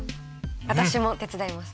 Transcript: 私も手伝います。